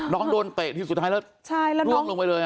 น้องโดนเตะที่สุดท้ายแล้วล่วงลงไปเลย